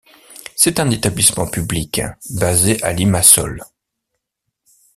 C’est un établissement public basé à Limassol.